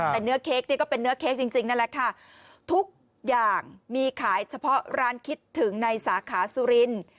แต่เนื้อเค้กนี่ก็เป็นเนื้อเค้กจริงนั่นแหละค่ะทุกอย่างมีขายเฉพาะร้านคิดถึงในสาขาสุรินทร์